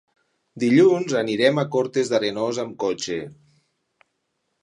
Dilluns anirem a Cortes d'Arenós amb cotxe.